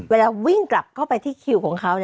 เวลาวิ่งกลับเข้าไปที่คิวของเขา